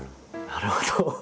なるほど。